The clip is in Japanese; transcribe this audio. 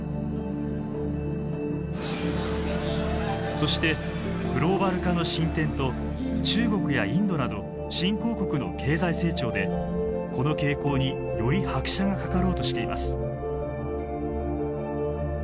そしてグローバル化の進展と中国やインドなど新興国の経済成長でこの傾向により拍車がかかろうとしています。